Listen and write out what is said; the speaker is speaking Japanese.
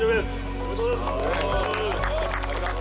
ありがとうございます！